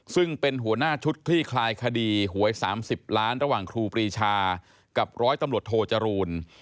ซึ่งเป็นหัวหน้าชุดคลี่คลายคดีหวย๓๐ล้านระหว่างครูปรีชากับร้อยตำรวจโทจรูล